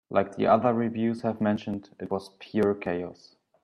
Like the other reviews have mentioned, it was pure chaos.